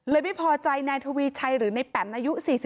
ไม่พอใจนายทวีชัยหรือในแปมอายุ๔๒